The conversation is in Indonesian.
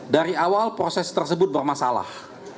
dari awal proses tersebut bermasalah